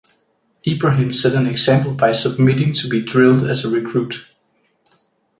Ibrahim set an example by submitting to be drilled as a recruit.